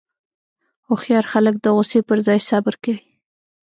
هوښیار خلک د غوسې پر ځای صبر کوي.